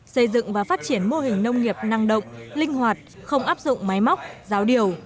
xây dựng và phát triển mô hình nông nghiệp năng động linh hoạt không áp dụng máy móc giáo điều